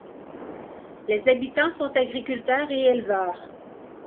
Les habitants sont agriculteurs et éleveurs.